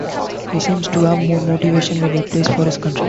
He seems to have more motivation when he plays for his country.